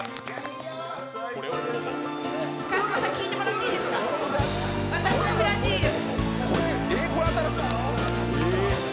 川島さん、聴いてもらっていいですか、私の「ｆｒａｇｉｌｅ」。